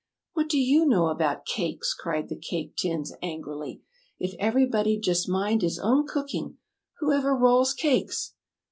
"What do you know about cakes!" cried the Cake Tins, angrily. "If everybody'd just mind his own cooking who ever rolls cakes?"